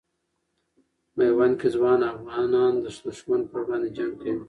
میوند کې ځوان افغانان د دښمن پر وړاندې جنګ کوي.